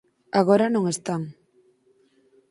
Agora non están.